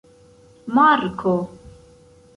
marko